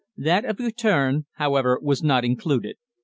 That of Guertin, however, was not included.